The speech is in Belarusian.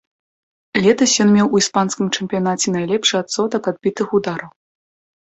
Летась ён меў у іспанскім чэмпіянаце найлепшы адсотак адбітых удараў.